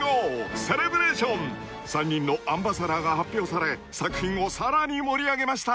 ［３人のアンバサダーが発表され作品をさらに盛り上げました］